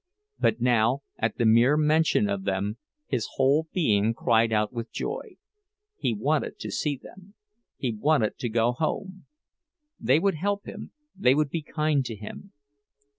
But now, at the mere mention of them, his whole being cried out with joy. He wanted to see them; he wanted to go home! They would help him—they would be kind to him.